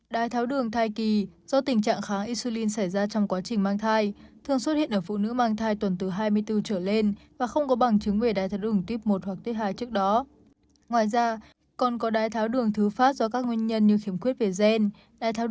đai tháo đường thai kỳ do tình trạng kháng isulin xảy ra trong quá trình mang thai thường xuất hiện ở phụ nữ mang thai tuần từ hai mươi bốn trở lên và không có bằng chứng về đai tháo đường type một hoặc type hai trước đó